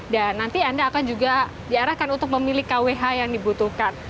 dan nanti anda akan juga diarahkan untuk memilih kwh yang dibutuhkan